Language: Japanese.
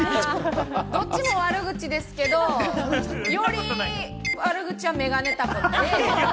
どっちも悪口ですけど、より悪口はメガネタコ。